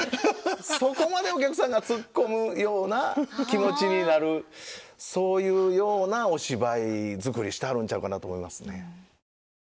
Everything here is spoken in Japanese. そこまでお客さんがツッコむような気持ちになるそういうようなお芝居作りしてはるんちゃうかなと思いますね。